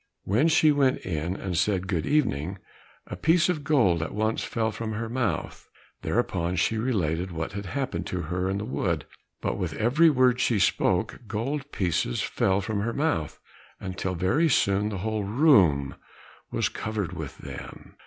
When she went in and said good evening, a piece of gold at once fell from her mouth. Thereupon she related what had happened to her in the wood, but with every word she spoke, gold pieces fell from her mouth, until very soon the whole room was covered with them.